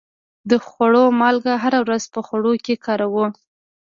د خوړو مالګه هره ورځ په خوړو کې کاروو.